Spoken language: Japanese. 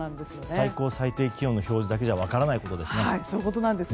最高、最低気温の表示だけじゃ分からないことですね。